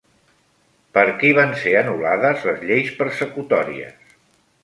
Per qui van ser anul·lades les lleis persecutòries?